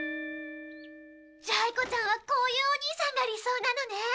ジャイ子ちゃんはこういうお兄さんが理想なのね。